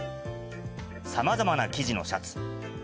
さまざまな生地のシャツ。